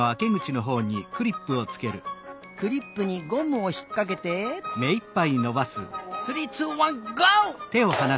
クリップにゴムをひっかけてスリーツーワンゴー！